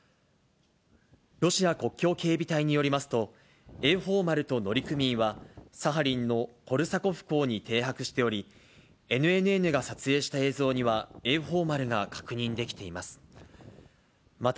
ロシア国境警備隊によりますと、栄寶丸と乗組員は、サハリンのコルサコフ港に停泊しており、ＮＮＮが撮影した映像には、栄寶丸が確認できています。